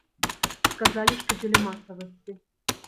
Сказалі, што дзеля масавасці.